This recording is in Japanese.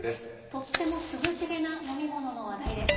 とっても涼しげな飲み物の話題です。